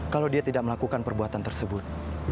kalau dia tidak melakukan perbuatan tersebut